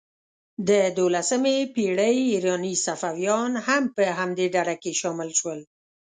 د دوولسمې پېړۍ ایراني صوفیان هم په همدې ډلې کې شامل شول.